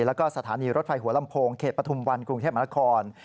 แล้วก็สถานีรถไฟหัวลำโพงเขตปฐุมวันกรุงเทพมหานคร